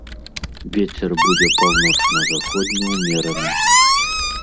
Вецер будзе паўночна-заходні ўмераны.